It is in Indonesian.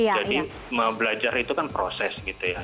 jadi belajar itu kan proses gitu ya